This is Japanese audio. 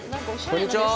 こんにちは。